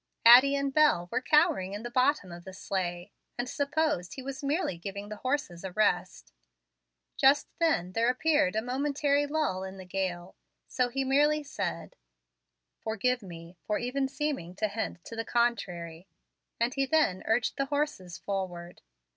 Addie and Bel were cowering in the bottom of the sleigh, and supposed he was merely giving the horses a rest. Just then there appeared a momentary lull in the gale; so he merely said: "Forgive me for even seeming to hint to the contrary," and then urged the horses forward.